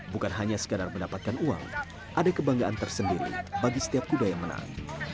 bukan hanya sekadar mendapatkan uang ada kebanggaan tersendiri bagi setiap kuda yang menang